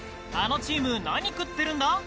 あのチーム何食ってるんだ？